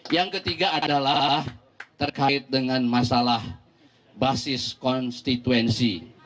yang ketiga adalah terkait dengan masalah basis konstituensi